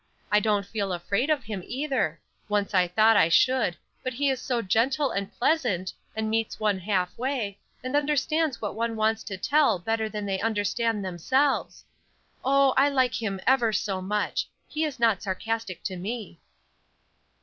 I don't feel afraid of him, either; once I thought I should; but he is so gentle and pleasant, and meets one half way, and understands what one wants to tell better than they understand themselves. Oh, I like him ever so much. He is not sarcastic to me."